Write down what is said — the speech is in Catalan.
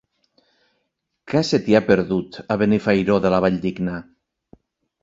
Què se t'hi ha perdut, a Benifairó de la Valldigna?